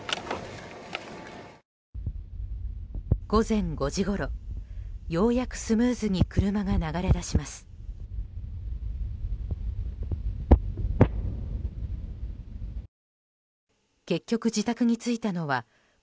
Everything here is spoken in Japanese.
午前５時ごろ、ようやくスムーズに車が流れ出します。